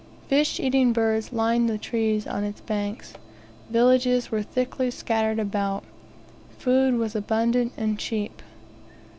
Fish eating birds lined the trees on its banks; villages were thickly scattered about. Food was abundant and cheap.